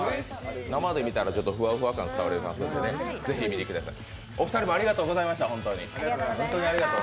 生で見たらふわふわ感が分かりますので、見に来てください。